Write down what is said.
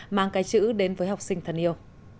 mang cái chữ đến với học sinh thân yêu